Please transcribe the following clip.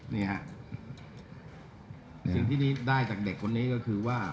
นี่ฮะสิ่งที่ได้จากเด็กคนนี้ก็คือว่า